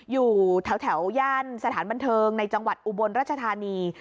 อยู่แถวย่านสถานบันเทิงในจังหวัดอุบลรัชธานี